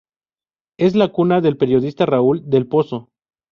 Es la cuna del periodista Raúl del Pozo.